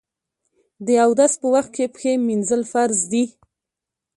د اودس په وخت کې پښې مینځل فرض دي.